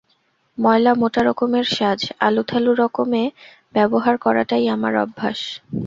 ময়লা মোটা রকমের সাজ, আলুথালু রকমে ব্যবহার করাটাই আমার অভ্যাস।